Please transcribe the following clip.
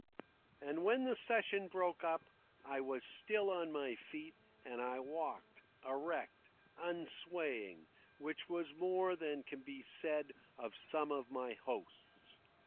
And when the session broke up I was still on my feet, and I walked, erect, unswaying which was more than can be said of some of my hosts.